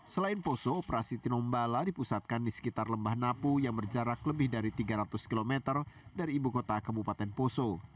selain poso operasi tinombala dipusatkan di sekitar lembah napu yang berjarak lebih dari tiga ratus km dari ibu kota kabupaten poso